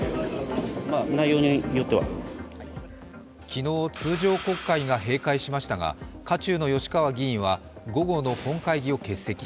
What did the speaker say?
昨日、通常国会が閉会しましたが渦中の吉川議員は午後の本会議を欠席。